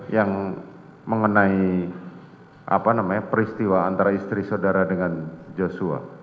yang mengenai peristiwa antara istri saudara dengan joshua